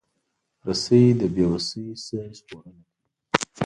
رسۍ له بیوسۍ نه ژغورنه کوي.